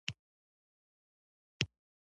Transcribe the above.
بزګران په زیات نفوس سره د ځمکې لپاره جګړهماران شول.